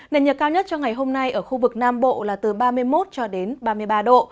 nền nhiệt cao nhất cho ngày hôm nay ở khu vực nam bộ là từ ba mươi một cho đến ba mươi ba độ